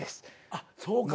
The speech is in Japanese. あっそうか。